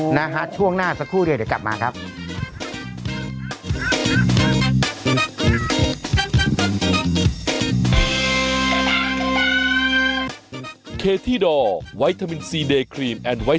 นะฮะช่วงหน้าสักครู่เดียวเดี๋ยวกลับมาครับ